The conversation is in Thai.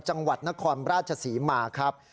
จังหวัดนครราชศรีมาครับ